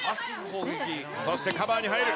そしてカバーに入る。